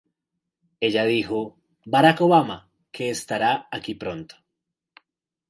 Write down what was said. Ella dijo: "Barack Obama, que estará aquí pronto!